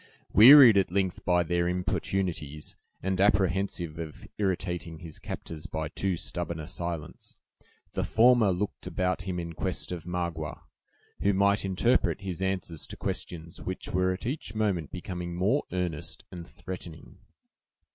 Wearied at length by their importunities, and apprehensive of irritating his captors by too stubborn a silence, the former looked about him in quest of Magua, who might interpret his answers to questions which were at each moment becoming more earnest and threatening.